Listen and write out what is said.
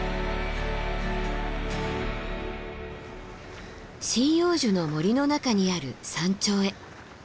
針葉樹の森の中にある山頂へ。